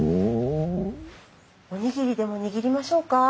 おにぎりでも握りましょうか？